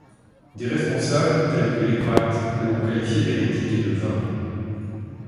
Des responsables tels que Lê Quát l'ont qualifié d'hérétique et de vain.